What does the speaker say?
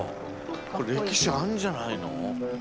これ歴史あるんじゃないの？